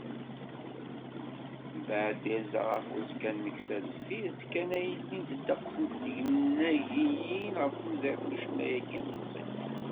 Mbeɛd tirza ɣer uẓekka n Meksa, deffir-s kan ad ilint ddeqs n tnagiyin, ɣef tudert n ucennay-agi ilemẓi.